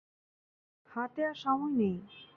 হাতে আর সময় নেই।